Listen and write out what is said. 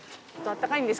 あったかいの？